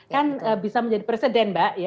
kan bisa menjadi presiden mbak